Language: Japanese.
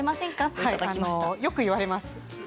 よく言われます。